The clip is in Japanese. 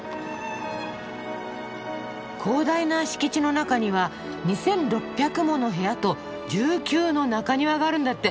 広大な敷地の中には２，６００もの部屋と１９の中庭があるんだって。